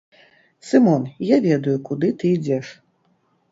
Сымон, я ведаю, куды ты ідзеш.